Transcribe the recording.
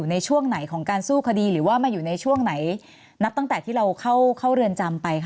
ในช่วงไหนของการสู้คดีหรือว่ามาอยู่ในช่วงไหนนับตั้งแต่ที่เราเข้าเรือนจำไปค่ะ